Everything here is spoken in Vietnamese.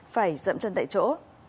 phải dậm chân tại chỗ